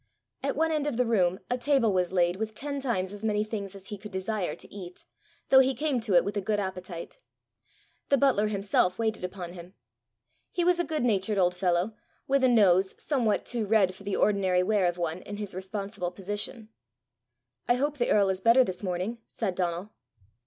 At one end of the room a table was laid with ten times as many things as he could desire to eat, though he came to it with a good appetite. The butler himself waited upon him. He was a good natured old fellow, with a nose somewhat too red for the ordinary wear of one in his responsible position. "I hope the earl is better this morning," said Donal.